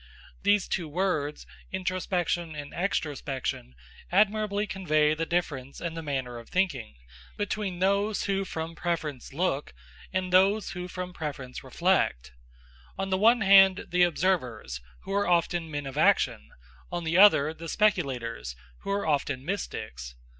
These two words introspection and extrospection admirably convey the difference in the manner of thinking between those who from preference look, and those who from preference reflect. On the one hand, the observers, who are often men of action; on the other, the speculators, who are often mystics.